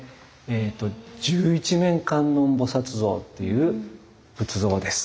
十一面観音菩像っていう仏像です。